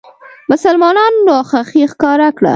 مسلمانانو ناخوښي ښکاره کړه.